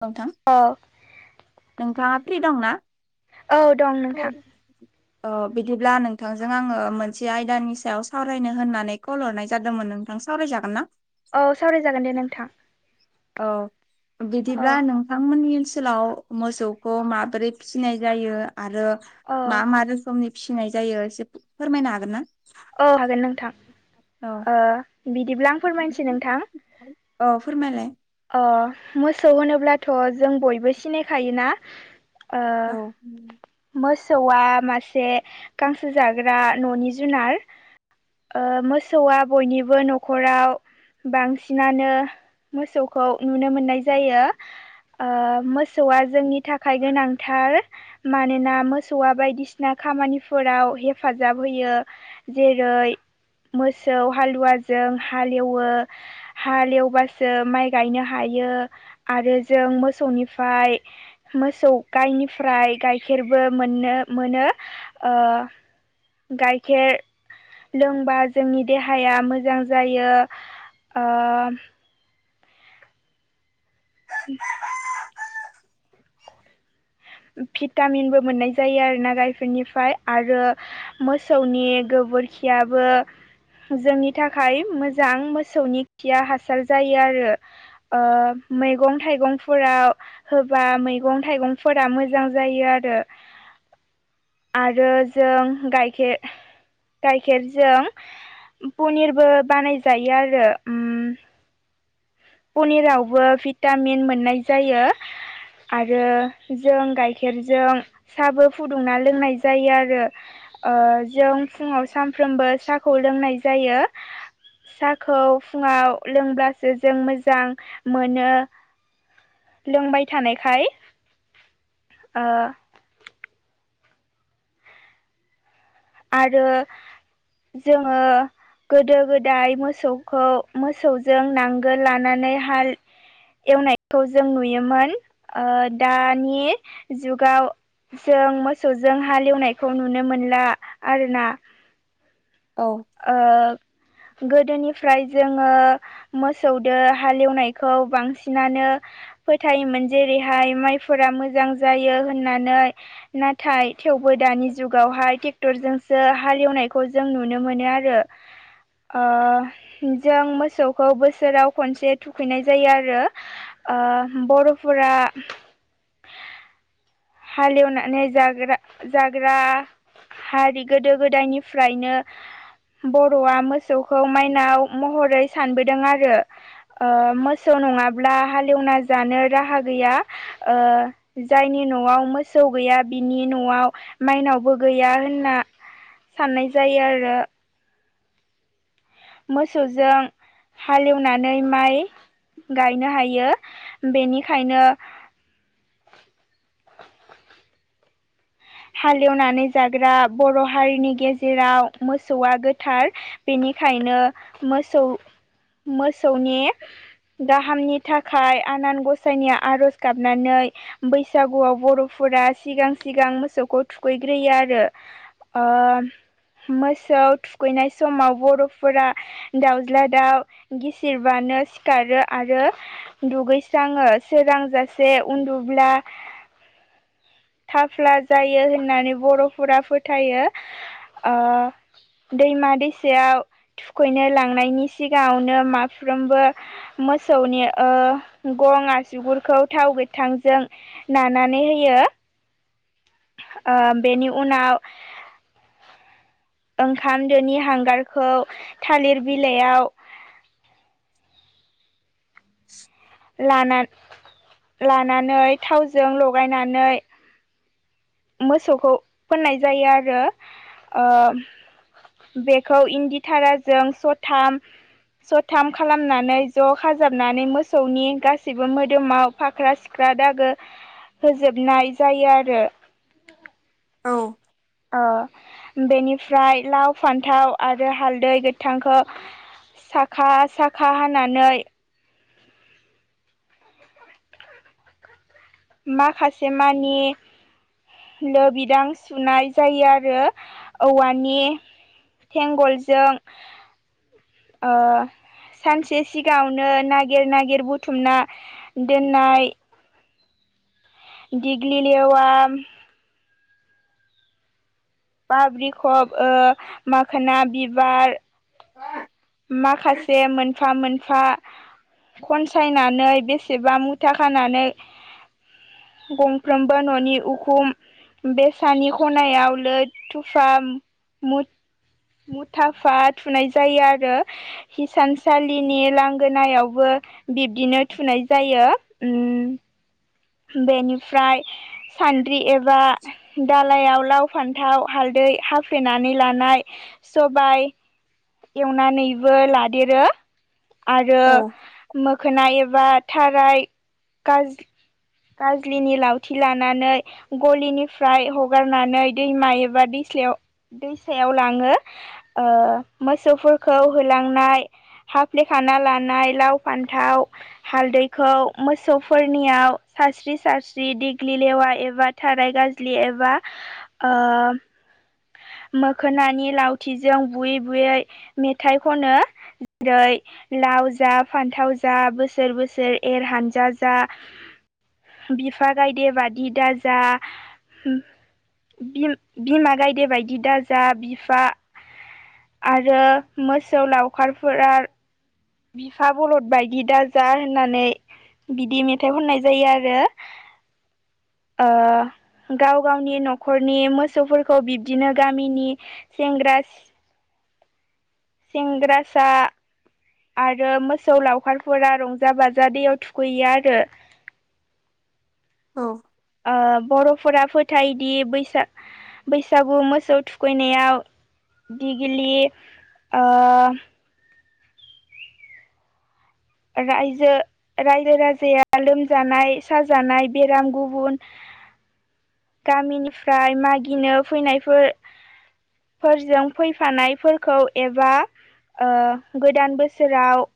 औ नोंथां अ नोंथाङा फ्रि दंना औ दं नोंथां बिदिब्ला नोंथांजों आङो मोनसे आयदानि सायाव सावरायनो होननानै कल हरनाय जादोंमोन नोंथां सावरायजागोन ना औ सावरायजागोन दे नोंथां औ औ बिदिब्ला नों बिथांमोननि ओनसोलाव मोसौखौ माबोरै फिसिनाय जायो आरो औ मा मा रोखोमनि फिसिनाय जायो एसे फोरमायनो हागोन ना औ हागोन नोंथां औ बिदिब्ला आं फोरमायसै नोंथां औ फोरमायलाय अ मोसौ होनोब्लाथ' जों बयबो सिनायखायोना ओ औ मोसौ मोसौवा मासे गांसो जाग्रा न'नि जुनार मोसौआ बयनिबो न'खराव बांसिनानो मोसौखौ नुनो मोननाय जायो मोसौआ जोंनि थाखाय गोनांथार मानोना मोसौआ बायदिसिना खामानिफोराव हेफाजाब होयो जेरै मोसौ हालुवाजों हालेवो हालेवबासो माइ गायनो हायो आरो जों मोसौनिफ्राय मोसौ गायनिफ्राय गाइखेरबो मोननो मोनो गाइखेर लोंबा जोंनि देहाया मोजां जायो [inaudible] भिटामिनबो मोननाय जायो आरो ना गायखेरनिफ्राय आरो मोसौनि गोबोरखियाबो जोंनि थाखाय मोजां मोसौनि खिया हासार जायो आरो मैगं थाइगंफोराव होबा मैगं थाइगं फोरा मोजां जायो आरो आरो जों गाइखेर गाइखेरजों पनिरबो बानायजायो आरो पनिरावबो भिटामिन मोननाय जायो। आरो जों गाइखेरजों साबो फुदुंना लोंनाय जायो आरो जों फुङाव सानफ्रोमबो साहाखौ लोंनाय जायो साहाखौ फुङाव लोंब्लासो जों मोजां मोनो लोंबाय थानायखाय ओ आरो जोङो गोदो गोदाय मोसौखौ मोसौजों नांगोल लानानै हाल एवनायखौ जों नुयोमोन ओ दानि जुगाव जों मोसौजों हालेवनायखौ नुनो मोनला आरोना औ गोदोनिफ्राय जोङो मोसौदो हालेवनायखौ बांसिनानो फोथायोमोन जेरैहाय माइफोरा मोजां जायो होननानै नाथाय थेवबो दानि जुगावहाय ट्रेक्टरजोंसो हालेवनायखौ जों नुनो मोनो आरो ओ जों मोसौखौ बोसोराव खनसे थुखैनाय जायो आरो बर'फोरा हालेवनानै जाग्रा जाग्रा हारि गोदो गोदायनिफ्रायनो बर'आ मोसौखौ माइनाव महरै सानबोदों आरो मोसौ नङाब्ला हालेवना जानो राहा गैया ओ जायनि न'आव मोसौ गैया बिनि न'आव माइनावबो गैया होनना साननाय जायो आरो मोसौजों हालेवनानै माइ गायनो हायो बेनिखायनो हालेवनानै जाग्रा बर' हारिनि गेजेराव मोसौआ गोथार बेनिखायनो मोसौ मोसौनि गाहामनि थाखाय आनान गसाइनिया आरज' गाबनानै बैसागुआव बर'फोरा सिगां सिगां मोसौखौ थुखैग्रोयो आरो ओ मोसौ थुखैनाय समाव बर'फोरा दाउज्ला दाउ गिसिरबानो सिखारो आरो दुगैस्राङो सोरांजासे उन्दुब्ला थाफ्ला जायो होननानै बर'फोरा फोथायो ओ दैमा दैसायाव थुखैनो लांनायनि सिगाङावनो माफ्रोमबो मोसौनि ओ गं आसुगुरखौ थाव गोथांजों नानानै होयो। ओ बेनि उनाव ओंखाम दोनि हांगारखौ थालिर बिलाइयाव [inaudible] लाना लानानै थावजों लगायनानै मोसौखौ फोननाय जायो आरो ओ बेखौ इन्दिथाराजों सथाम सथाम खालामनानै ज' खाजाबनानै मोसौनि गासैबो मोदोमाव फाख्रा सिख ख्रां दागो होजोबनाय जायो आरो औ ओ बेनिफ्राय लाव फान्थाव आरो हालदै गोथांखौ साखा साखा हानानै माखासे मानि लोबिदां सुनाय जायो आरो औवानि थेंगलजों ओ सानसे सिगाङावनो नागिर नागिर बुथुमना दोननाय दिग्लि लेवा बाब्रिखब ओ माखोना बिबार माखासे मोन फा मोनफा खनसायनानै बेसेबा मुथा खानानै गंफ्रोमबो न'नि उखुम बेसानि खनायाव लो थुफा मु मुथाफा थुनाय जायो आरो हिसानसालिनि लांगोनायावबो बिब्दिनो थुनाय जायो उम बेनिफ्राय सान्द्रि एबा दालायाव लाव फान्थाव हालदै हाल्पेनानै लानाय सबाय एवनानैबो लादेरो आरो औ मोखोनाय एबा थाराय गाज गाज्लिनि लावथि लानानै गलिनिफ्राय हगारनानै दैमा एबा दैस्लायाव दैसायाव लाङो ओ मोसौफोरखौ होलांनाय हाफ्लेखाना लानाय लाव फान्थाव हालदैखौ मोसौफोरनियाव सारस्रि सारस्रि देग्लि लेवा एबा थाराय गाजलि एबा ओ मोखोनानि लावथिजों बुयै बुयै मेथाइ खनो जेरै लाव जा फान्थाव जा बोसोर बोसोर एर हानजा जा बिफा गायदे बादि दाजा बिम-बिमा गायदे बायदि दाजा बिफा आरो मोसौ लावखारफोरा बिफा बलद बायदि दाजा होननानै बिदि मेथाइ खननाय जायो आरो ओ गाव गावनि न'खरनि मोसौफोरखौ बिब्दिनो गामिनि सेंग्रा सेंग्रासा आरो मोसौ लावखारफोरा रंजा बाजा दैयाव थुखैयो आरो औ बर'फोरा फोथायदि बैसाग बैसागु मोसौ थुखैनायाव दिगिलि ओ रायजो रायजो राजाया लोमजानाय साजानाय बेराम गुबुन गामिनिफ्राय मागिनो फैनायफोर फोरजों फैफानायफोरखौ एबा गोदान बोसोराव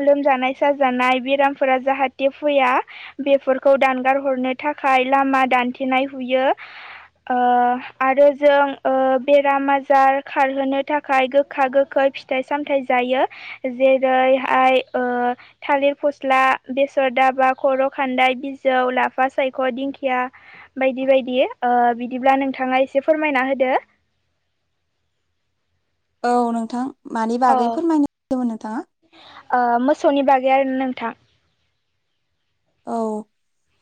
लोमजानाय साजानाय बेरामफोरा जाहाथे फैया बेफोरखौ दानगार हरनो थाखाय लामा दान्थेनाय हुयो आरो जों बेराम आजार खारहोनो थाखाय गोखाय गोखा गोखै फिथाइ सामथायाइ जायो जेरैहाय थालिर फस्ला बेसर दाबा खर' खान्दाय बिजौ लाफा सायख' दिंखिया बायदि बायदि बिदिब्ला नोंथाङा एसे फोरमायना होदो औ नोंथां मानि औ बागै फोरमायनोदोंमोन नोंथाङा मोसौनि बागै आरोना नोंथां औ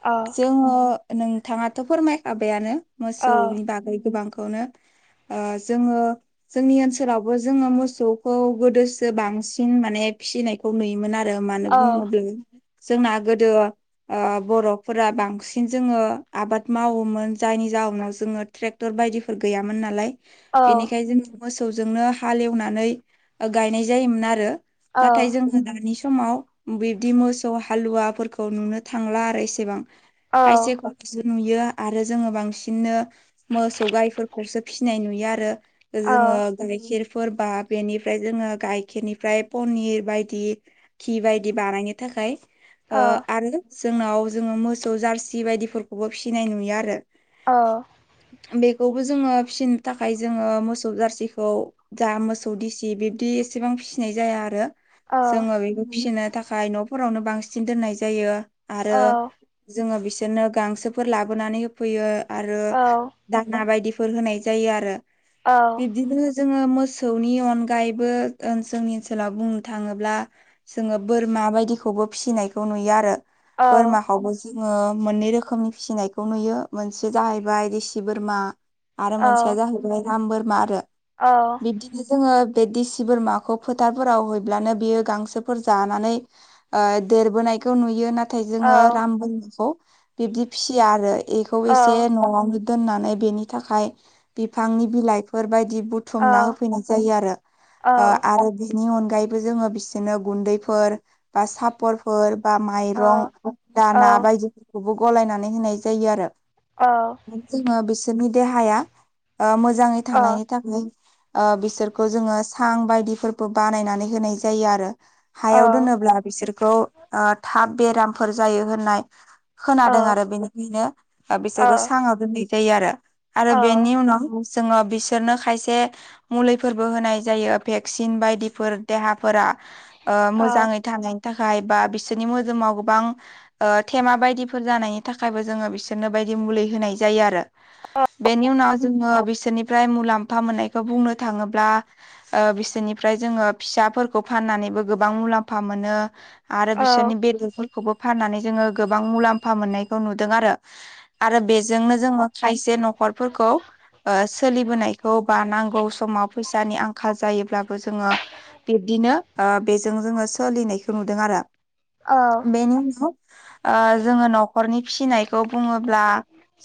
औ जोङो नोंथाङाथ' फोरमायखाबायानो औ मोसौनि बागै गोबांखौनो जोङो जोंनि ओनसोलावबो जोङो मोसौखौ गोदोसो बांसिन माने फिसिनायखौ नुयोमोन आरो। आरो मानो होनना औ बुङोब्ला जोंना गोदो ओ बर'फोरा बांसिन जोङो आबाद मावोमोन जायनि जाउोनाव जोङो ट्रेक्टर बायदिफोर गैयामोन नालाय औ बेनिखायनो जोङो मोसौजोंनो हालेवनानै गायनाय जायोमोन आरो। औ नाथाय जोङो दानि समाव बिब्दि मोसौ हालुवाफोरखौ नुनो थांला आरो इसेबां खायसेखौ नुयो आरो जोङो बांसिननो मोसौ गायफोरखौसो फिसिनाय नुयो आरो औ जोङो गायखेरफोरबा बेनिफ्राय जोङो गाइखेरनिफ्राय पनिर बायदि धि बायदि बानायनो थाखाय औ आरो जोंनाव जोङो मोसौ जारसि बायदिफोरखौबो फिसिनाय नुयो आरो। औ। बेखौबो जोङो फिसिनो थाखाय जोङो मोसौ जारसिखौ जा मोसौ दिसि बिब्दि एसेबां फिसिनाय जाया आरो। औ जोङो बेखौ फिसिनो थाखाय न'फोरावनो बांसिन दोननाय जायो आरो। जोङो बिसोरनो गांसोफोर लाबोनानै होफैयो आरो दाना बायदिफोर होनाय जायो आरो औ बिब्दिनो जोङो मोसौनि अनगायैबो जोंनि ओनसोलाव बुंनो थाङोब्ला जोङो बोरमा बायदिखौबो फिसिनायखौ नुयो आरो औ बोरमाखौबो जोङो मोननै रोखोमनि फिसिनायखौ नुयो मोनसे जाहैबाय देसि बोरमा आरो औ मोनसेया जाहैबाय राम बोरमा आरो औ। बिदिनो जोङो बे दिेसि बोरमाखौ फोथारफोराव हैब्लानो बियो गांसोफोर जानानै ओ देरबोनायखौ नुयो नाथाय जोङो राम बोरमाखौ बिब्दि फिसिया आरो बेखौ एसे न'आवनो दोननानै बेनि थाखाय बिफांनि बिलाइफोर बायदि ब बुथुमना होफैनाय जायो ओ आरो बेनि अनगायैबो जोङो बिसोरनो गुन्दैफोर बा सापरफोर बा माइरं दाना बायदिफोरखौबो गलायनानै होनाय जायो आरो। औ। जोङो बिसोरनि देहाया मोजाङै थानाय थाखाय बिसोरखौ जोङो सां बायदिबो बानायनानै होनाय जायो आरो। हायाव दोनोब्ला बिसोरखौ थाब बेरामफोर जायो होननाय खोनादों आरो बेनिखायनो बिसोरखौ साङाव दोननाय जायो आरो आरो बेनि उनाव जोंनाव बिसोरनो खायसे मुलिफोरबो होनाय जायो भेक्सिन बायदिफोर देहाफोरा मोजाङै थानायनि थाखाय बा बिसोरनि मोदोमाव गोबां थेमा बायदिफोर जानायनि थाखायबो जोङो बिसोरनो बायदि मुलि होनाय जायो आरो। बेनि उनाव जोङो बिसोरनिफ्राय मुलाम्फा मोननायखौ बुंनो थाङोब्ला बिसोरनिफ्राय जोङो फिसाफोरखौ फाननानैबो गोबां मुलाम्फा मोनो। आरो बिसोरनि बेदरफोरखौबो फाननानै जोङो गोबां मुलाम्फा मोननायखौ नुदों आरो। आरो बेजोंनो जोङो खायसे न'खरफोरखौ सोलिबोनायखौ बा नांगौ समाव फैसानि आंखाल जायोब्लाबो जोङो बिब्दिनो ओ बेजों जोङो सोलिनायखौ नुदों आरो। औ। बेनि उनाव ओ जोङो न'खरनि फिसिनायखौ बुङोब्ला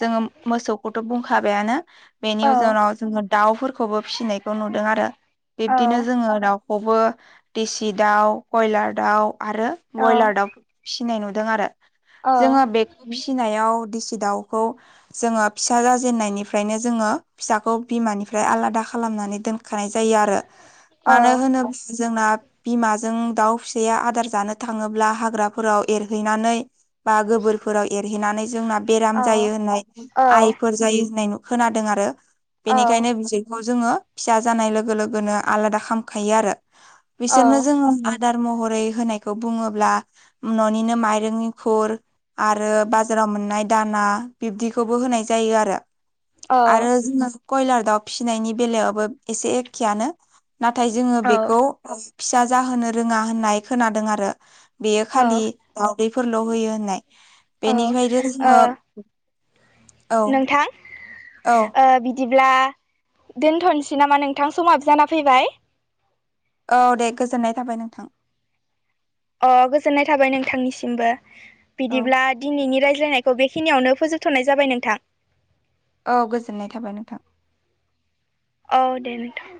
जोङो मोसौखौथ' बुंखाबायानो। बेनि उजनाव जोङो दाउफोरखौबो फिसिनायखौ नुदों आरो बिब्दिनो जोङो दाउ बबो देसि दाउ कयलार दाउ आरो ब्रयलार दाउ फिसिनाय नुदों आरो जोङो बेखौ फिसिनायाव देसि दाउखौ जोङो फिसा जाजेननायनिफ्रायनो जोङो फिसाखौ बिमानिफ्राय आलादा खालामनानै दोनखानाय जायो आरो। मानो होनोब्ला जोंना बिमाजों दाउ फिसाया आदार थाङोब्ला हाग्राफोराव एरहैनानै बा गोबोरफोराव एनानै जोंना बेराम जायो होननाय ओ आइफोर जायो होननाय खोनादों आरो। बेनिखायनो बिदिखौ जोङो फिसा जानाय लोगो लोगोनो आलादा खामखायो आरो। बिसोरनो जोङो आदार महरै होनायखौ बुङोब्ला न'निनो माइरं एंखुर आरो बाजाराव मोननाय दाना बिब्दिखौबो होनाय जायो आरो। आरो जोङो कयलार दाउ फिसिनायनि बेलायावबो एसे एखेआनो। नाथाय जोङो बेखौ फिसा जाहोनो रोङा होननाय खोनादों आरो। बेयो खालि दावउदैफोरल' होयो होननाय बेनिफ्रायनो जोङो [inaudible] नोंथां औ ओ बिदिब्ला दोनथ'नोसै नामा नोंथां समाबो जाना फैबाय। औ दे गोजोननाय थाबाय नोंथां। अ गोजोननाय थाबाय नोंथांनिसिमबो औ बिदिब्ला दिनैनि रायज्लायनायखौ बेखिनियावनो फोजोबथ'नाय जाबाय नोंथां। औ गोजोननाय थाबाय नोंथां। औ दे नोंथां।